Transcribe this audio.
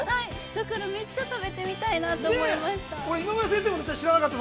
だからめっちゃ食べてみたいなと思いました。